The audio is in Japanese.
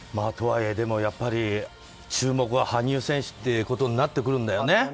とはいえ注目は羽生選手ってことになってくるんだよね。